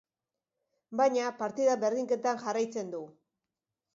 Baina, partidak berdinketan jarraitzen du.